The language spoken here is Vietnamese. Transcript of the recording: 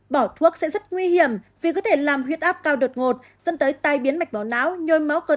bỏ thuốc sẽ rất nguy hiểm vì có thể làm huyết áp cao đột ngột dẫn tới tai biến mạch máu não